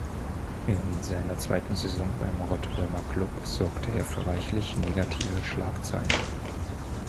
In seiner zweiten Saison beim Rotterdamer Klub sorgte er für reichlich negative Schlagzeilen.